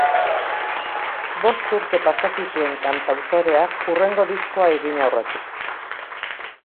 Bost urte pasa zituen kantautoreak hurrengo diskoa egin aurretik.